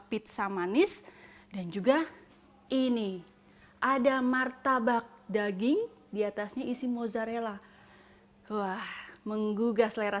pizza manis dan juga ini ada martabak daging diatasnya isi mozzarella wah menggugah selera